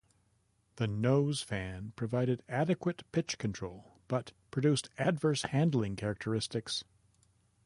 The nose fan provided adequate pitch control but produced adverse handling characteristics.